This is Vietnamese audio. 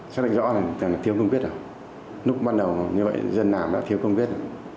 xác định rõ là thiếu công viết lúc ban đầu như vậy dân nào đã thiếu công viết